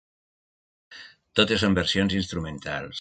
Totes són versions instrumentals.